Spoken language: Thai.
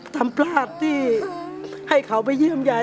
ทำพลาดที่ให้เขาไปเยี่ยมยาย